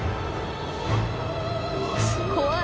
怖い！